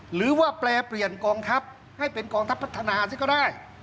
หรือว่าแปรเปลี่ยนกองทัพให้เป็นกองทัพพัฒนาซิก็ได้